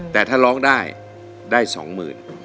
แต่ถ้าร้องได้ได้สองหมื่น